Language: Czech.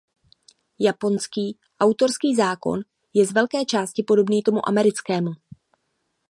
Japonský autorský zákon je z velké části podobný tomu americkému.